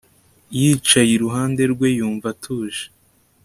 yicaye iruhande rwe yumva atuje